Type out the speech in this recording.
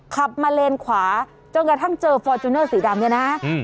ขับมาเลนขวาจนกระทั่งเจอฟอร์จูเนอร์สีดำเนี่ยนะ